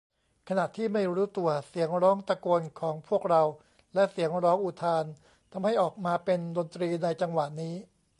ขณะที่ไม่รู้ตัว เสียงร้องตะโกนของพวกเรา และเสียงร้องอุทาน ทำให้ออกมาเป็นดนตรีในจังหวะนี้